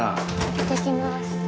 行ってきまーす